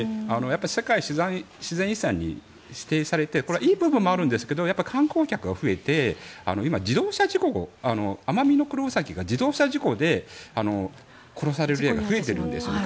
世界自然遺産に指定されてこれはいい部分もあるんですが観光客が増えて今、自動車事故アマミノクロウサギが自動車事故で殺される例が増えているんですね